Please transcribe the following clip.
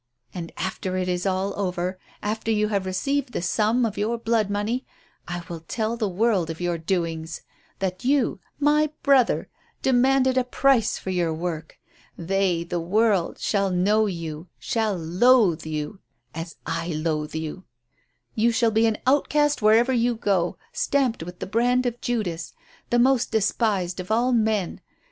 And after it is over, after you have received the sum of your blood money, I will tell the world of your doings. That you my brother demanded a price for your work. They the world shall know you; shall loathe you as I loathe you. You shall be an outcast wherever you go, stamped with the brand of Judas the most despised of all men.